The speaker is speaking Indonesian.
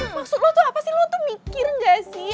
maksudnya lo tuh apa sih lu tuh mikir gak sih